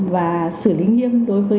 và xử lý nghiêm đối với